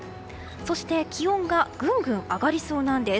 そして、気温がぐんぐん上がりそうなんです。